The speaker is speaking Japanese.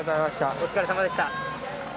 お疲れさまでした。